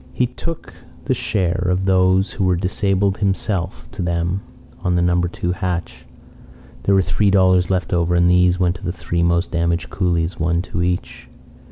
He took the share of those who were disabled himself to them on the No. 2 hatch. There were three dollars left over, and these went to the three most damaged coolies, one to each.